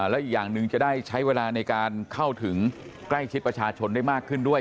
และอีกอย่างหนึ่งจะได้ใช้เวลาในการเข้าถึงใกล้ชิดประชาชนได้มากขึ้นด้วย